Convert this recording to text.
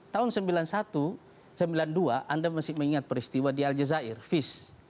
tahun seribu sembilan ratus sembilan puluh satu sembilan puluh dua anda masih mengingat peristiwa di al jazair fis